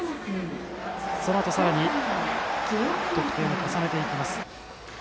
そのあと、さらに得点を重ねていきます。